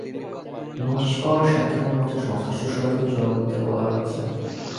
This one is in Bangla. নোটিশ পাওয়ার সাত দিনের মধ্যে সংশ্লিষ্ট সবাইকে জবাব দিতে বলা হয়েছে।